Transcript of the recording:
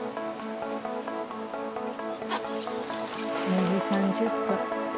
２時３０分。